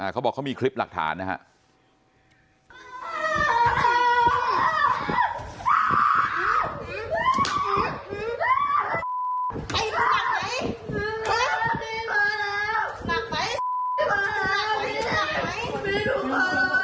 เขาบอกเขามีคลิปหลักฐานนะครับ